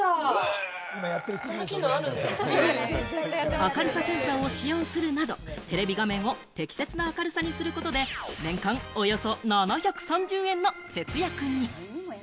明るさセンサーを使用するなど、テレビ画面を適切な明るさにすることで、年間およそ７３０円の節約に。